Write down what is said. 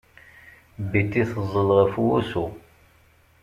Betty teẓẓel ɣef wusu.